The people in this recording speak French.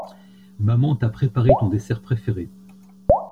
Maman t'a préparé ton dessert préféré.